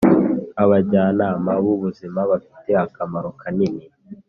abajyanama b’ubuzima bafite akamaro kanini.